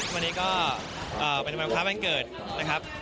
วันนี้ก็เป็นขวัญวันเกิดนะครับ